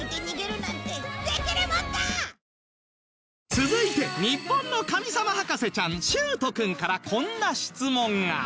続いて日本の神様博士ちゃん秀斗君からこんな質問が